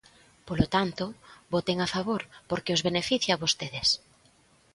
Polo tanto, voten a favor, porque os beneficia a vostedes.